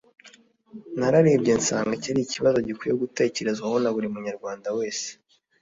nararebye nsanga iki ari ikibazo gikwiye gutekerezwaho na buri munyarwanda wese